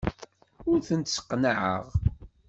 Ur tent-sseqnaɛeɣ.